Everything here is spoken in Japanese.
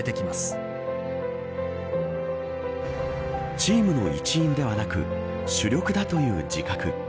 チームの一員ではなく主力だという自覚。